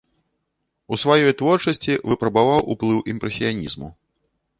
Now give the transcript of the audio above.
У сваёй творчасці выпрабаваў ўплыў імпрэсіянізму.